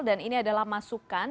dan ini adalah masukan